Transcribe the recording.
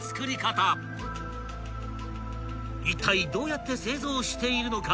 ［いったいどうやって製造しているのか？］